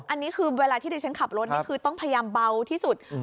อันนี้คือเวลาที่ดิฉันขับรถนี่คือต้องพยายามเบาที่สุด